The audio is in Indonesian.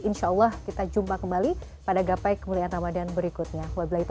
insya allah kita jumpa kembali pada gapai kemuliaan ramadhan berikutnya